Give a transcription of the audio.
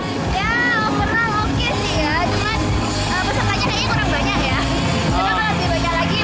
ya overall oke sih ya cuman pesertanya kayaknya kurang banyak ya